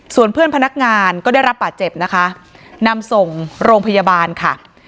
ส่วนเพื่อนพนักงานก็ได้รับบาดเจ็บนะคะนำส่งโรงพยาบาลค่ะ